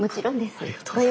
ありがとうございます。